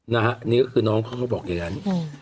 ก็คือน้องคนอกอย่างนั้น